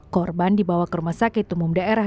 korban dibawa ke rumah sakit umum daerah